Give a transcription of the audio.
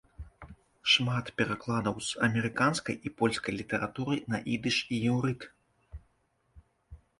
Шмат перакладаў з амерыканскай і польскай літаратуры на ідыш і іўрыт.